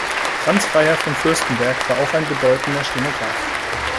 Franz Freiherr von Fürstenberg war auch ein bedeutender Stenograf.